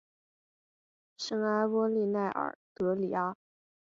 圣阿波利奈尔德里阿。